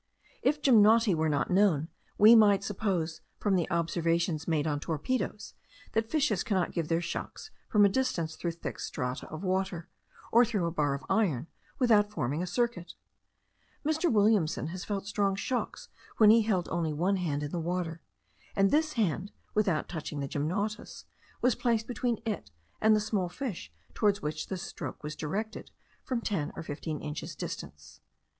If the gymnoti were not known, we might suppose, from the observations made on torpedos, that fishes cannot give their shocks from a distance through very thick strata of water, or through a bar of iron, without forming a circuit. Mr. Williamson has felt strong shocks when he held only one hand in the water, and this hand, without touching the gymnotus, was placed between it and the small fish towards which the stroke was directed from ten or fifteen inches distance.